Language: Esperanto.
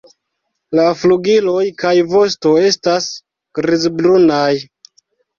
La flugiloj kaj vosto estas grizbrunaj.